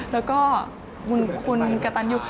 แล้วก็บุญคุณกระตันอยู่